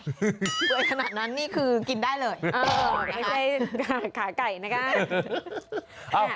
สวยขนาดนั้นนี่คือกินได้เลยไม่ใช่ขาไก่นะคะ